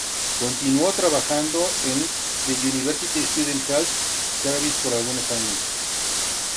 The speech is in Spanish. Continuó trabajando en the University Student Health Service por algunos años.